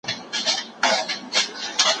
آیا دایره تر مربع ګرده ده؟